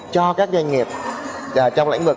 cho các doanh nghiệp trong lãnh mực